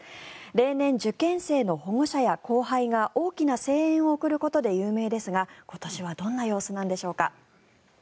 例年、受験生の保護者や後輩が大きな声援を送ることで有名ですが今年はどんな様子なんでしょうか。